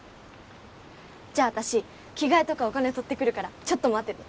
じゃあ私着替えとかお金取ってくるからちょっと待ってて。